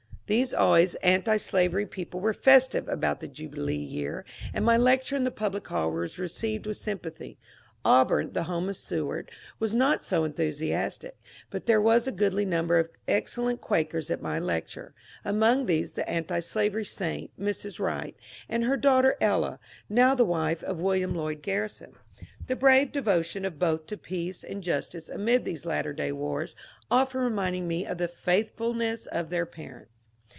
These always antislavery people were festiye about the jubi lee year, and my lecture in the public hall was received with sympathy. Auburn, the home of Seward, was not so enthu siastic ; but there was a goodly number of excellent Quakers at my lecture, — among these the antislavery saint, Mrs. Wright, and her daughter Ella, now the wife of William Lloyd Garrison, the brave devotion of both to peace and justice amid these latter day wars often reminding me of the faithfulness of their parents.